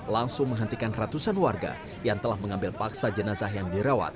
langsung menghentikan ratusan warga yang telah mengambil paksa jenazah yang dirawat